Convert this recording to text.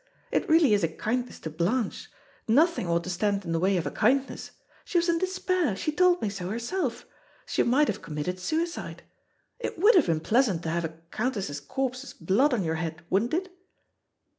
It really is a kindness to Blanche. Nothing ought to stand in the way of a kindness. She was in despair; she told me so: herself. She might have committed suicide. It would have been pleasant to have a countess's corpse's blood on your head, wouldn't it?"